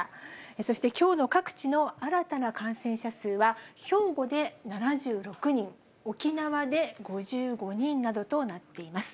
そしてきょうの各地の新たな感染者数は兵庫で７６人、沖縄で５５人などとなっています。